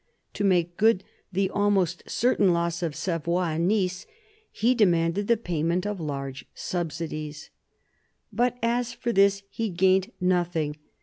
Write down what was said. To make good the almost certain loss of Savoy and Nice, he demanded the payment of large subsidies ; but by this he gained nothing.